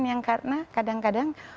yang karena kadang kadang